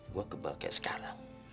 gue kebal kayak sekarang